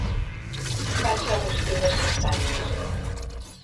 Vaig a rostir unes castanyes.